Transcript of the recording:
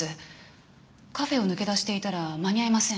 カフェを抜け出していたら間に合いません。